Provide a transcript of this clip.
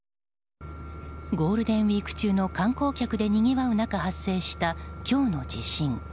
ゴールデンウィーク中の観光客でにぎわう中発生した、今日の地震。